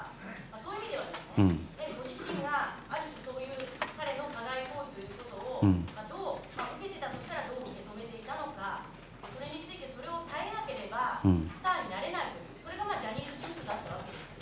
そういう意味ではご自身が、ある種そういう彼の加害行為を受けてたとしたらどう受け止めていたのかそれについてそれを変えなければスターになれないといったそういうジャニーズ事務所だったんですね。